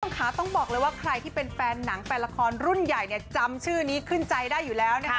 ค่ะต้องบอกเลยว่าใครที่เป็นแฟนหนังแฟนละครรุ่นใหญ่เนี่ยจำชื่อนี้ขึ้นใจได้อยู่แล้วนะคะ